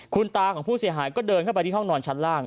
คุณตาของผู้เสียหายก็เดินเข้าไปที่ห้องนอนชั้นล่าง